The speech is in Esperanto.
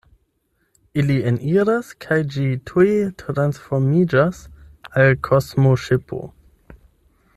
Ili eniras kaj ĝi tuj transformiĝas al kosmoŝipo.